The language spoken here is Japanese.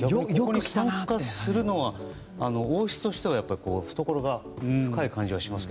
参加するのは王室としては懐が深い感じがします。